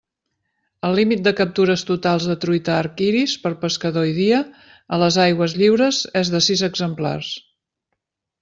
El límit de captures totals de truita arc iris per pescador i dia a les aigües lliures és de sis exemplars.